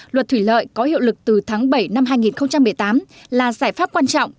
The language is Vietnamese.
luật thủy lợi có hiệu lực từ tháng bảy năm hai nghìn một mươi tám là giải pháp quan trọng